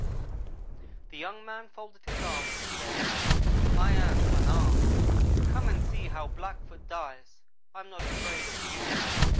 "The young man folded his arms and said: 'I am unarmed come and see how a Blackfoot dies. I am not afraid of you.'